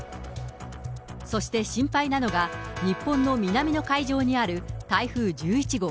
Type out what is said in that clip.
そして心配なのが、日本の南の海上にある台風１１号。